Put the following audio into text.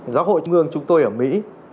giáo hội chung gương chúng tôi ở mỹ